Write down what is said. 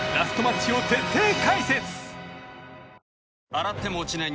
洗っても落ちない